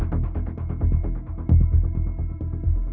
โปรดติดตามตอนต่อไป